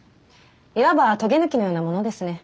いわばとげ抜きのようなものですね。